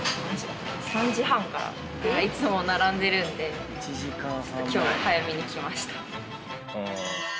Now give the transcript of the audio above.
いつも並んでるんで今日は早めに来ました。